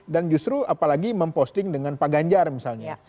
dan justru apalagi memposting dengan pak ganjar misalnya